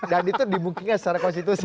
dan itu dimungkinkan secara konstitusi